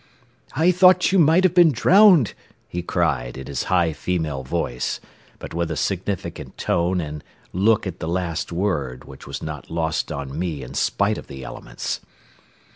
"I thought you might have been drowned," he cried, in his high female voice, but with a significant tone and look at the last word which was not lost on me in spite of the elements.